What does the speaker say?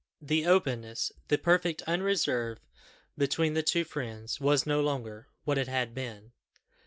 The openness, the perfect unreserve between the two friends, was no longer what it had been.